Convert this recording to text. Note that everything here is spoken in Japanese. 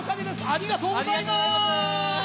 ありがとうございます！